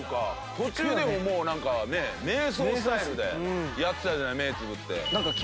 途中でももうなんかね瞑想スタイルでやってたじゃない目つぶって。